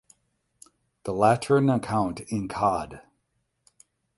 The Lateran account in Cod.